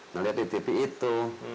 nah lihat di tv itu